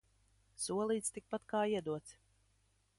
Solīts – tikpat kā iedots.